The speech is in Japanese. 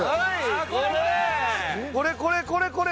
これこれこれこれ！